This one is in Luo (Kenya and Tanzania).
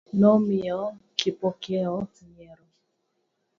Nomiyo Kipokeo nyiero.